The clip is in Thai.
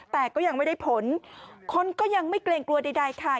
แต่ก็ยังไม่ได้ผลคนก็ยังไม่เกรงกลัวใดค่ะ